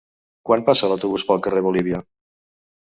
Quan passa l'autobús pel carrer Bolívia?